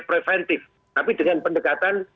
preventive tapi dengan pendekatan